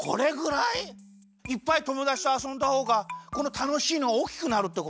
いっぱいともだちとあそんだほうがこのたのしいのがおおきくなるってこと？